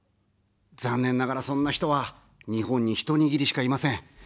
残念ながら、そんな人は、日本にひと握りしかいません。